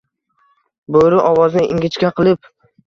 Boʻri, ovozini ingichka qilib